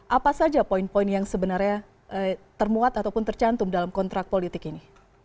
apa saja poin poin yang sebenarnya termuat ataupun tercantum dalam kontrak politik ini